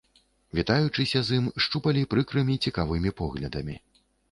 Вітаючыся з ім, шчупалі прыкрымі цікавымі поглядамі.